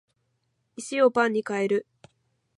石をパンに変える